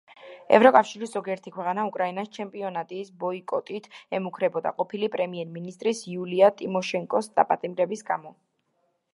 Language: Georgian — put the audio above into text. ევროკავშირის ზოგიერთი ქვეყანა უკრაინას ჩემპიონატის ბოიკოტით ემუქრებოდა ყოფილი პრემიერ-მინისტრის იულია ტიმოშენკოს დაპატიმრების გამო.